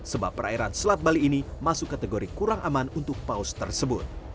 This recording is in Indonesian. sebab perairan selat bali ini masuk kategori kurang aman untuk paus tersebut